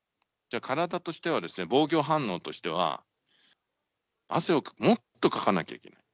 体としては防御反応としては、汗をもっとかかなきゃいけない。